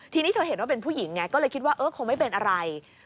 ทีนี้เธอเห็นว่าเป็นผู้หญิงไงก็เลยคิดว่าเออคงไม่เป็นอะไร